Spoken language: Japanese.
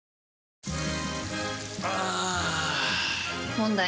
問題。